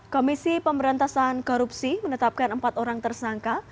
komisi pemberantasan korupsi menetapkan empat orang tersangka